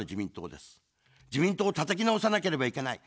自民党をたたき直さなければいけない。